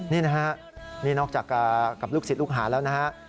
นี่นะครับนอกจากกับลูกศิษย์ลูกหาแล้วนะครับ